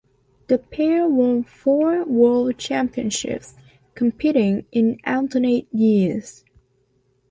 The pair won four World Championships, competing in alternate years.